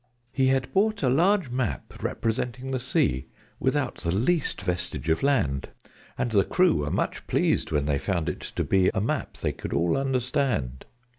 He had bought a large map representing the sea, Without the least vestige of land: And the crew were much pleased when they found it to be A map they could all understand.